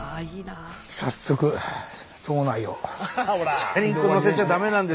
早速島内を。